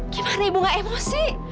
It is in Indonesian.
gimana ibu gak emosi